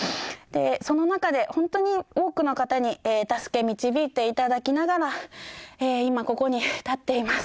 その中で本当に多くの方に助け導いていただきながら今ここに立っています。